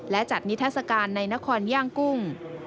และจัดนิทัศกาลในนครย่างกุ้ง